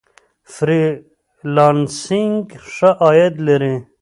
فری لانسینګ ښه عاید لري.